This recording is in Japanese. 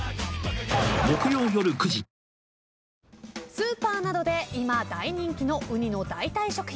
スーパーなどで今大人気のウニの代替食品。